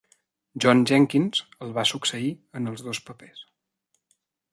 John Jenkins el va succeir en els dos papers.